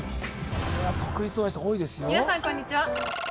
これは得意そうな人多いですよ